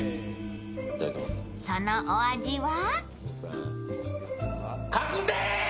そのお味は？